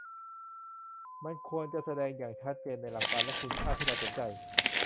มันควรจะแสดงอย่างชัดเจนในหลักการและคุณค่าที่เราสนใจ